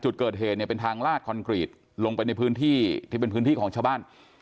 จุดเกิดเหตุเนี่ยเป็นทางลาดคอนกรีตลงไปในพื้นที่ที่เป็นพื้นที่ของชาวบ้าน